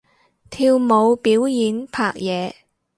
跳舞表演拍嘢